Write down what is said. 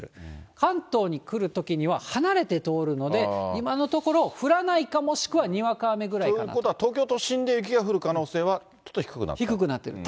関東に来るときには離れて通るので、今のところ、降らないかもしくはにわか雨ぐらいかなと。ということは、東京都心で雪が降る可能性は、ちょっと低くなった？